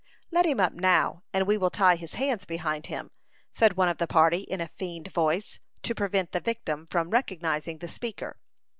"Let him up, now, and we will tie his hands behind him," said one of the party, in a feigned voice, to prevent the victim from recognizing the speaker.